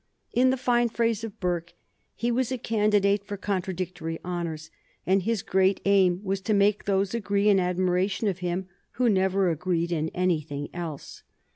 In the fine phrase of Burke, he was a candidate for contradictory honors, and his great aim was to make those agree in admiration of him who never agreed in anything else.